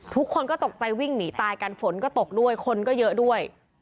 ทุกคนก็ตกใจวิ่งหนีตายกันฝนก็ตกด้วยคนก็เยอะด้วย